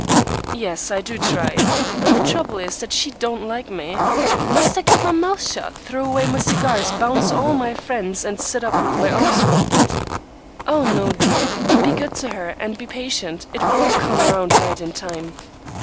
"Yes, I do try, but the trouble is that she don't like me. Must I keep my mouth shut, throw away my cigars, bounce all my friends, and sit up with my arms folded?" "Oh, no, dear. Be good to her, and be patient; it will all come around right in time."